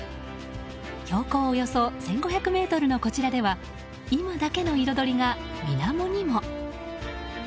標高およそ１５００ｍのこちらでは今だけの彩りが水面にも。